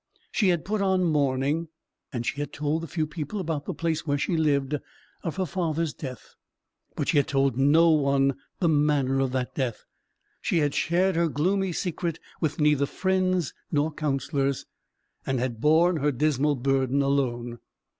She had put on mourning: and she had told the few people about the place where she lived, of her father's death: but she had told no one the manner of that death. She had shared her gloomy secret with neither friends nor counsellors, and had borne her dismal burden alone.